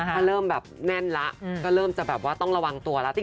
ถ้าเริ่มแน่นแล้วก็เริ่มจะต้องระวังตัวแล้ว